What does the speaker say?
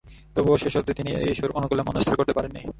তবুও শেষাবধি তিনি এ ইস্যুর অনুকূলে মনস্থির করতে পারেন নি।